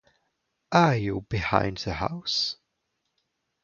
Are you behind the house?